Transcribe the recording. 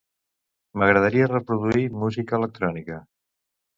M'agradaria reproduir música electrònica.